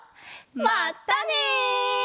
まったね！